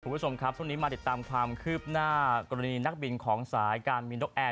คุณผู้ชมครับช่วงนี้มาติดตามความคืบหน้ากรณีนักบินของสายการบินนกแอร์